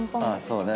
そうね。